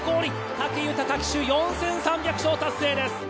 武豊騎手４，３００勝達成です。